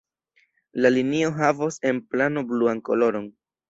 La linio havos en plano bluan koloron.